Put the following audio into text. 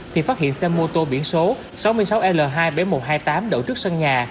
thì phát hiện xe mô tô biển số sáu mươi sáu l hai bảy nghìn một trăm hai mươi tám đậu trước sân nhà